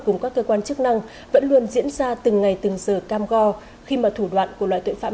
cùng các cơ quan chức năng vẫn luôn diễn ra từng ngày từng giờ cam go khi mà thủ đoạn của loại tội phạm